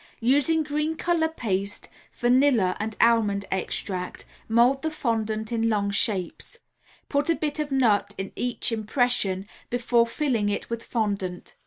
Using green color paste, vanilla and almond extract mold the fondant in long shapes. Put a bit of nut in each impression, before filling it with fondant.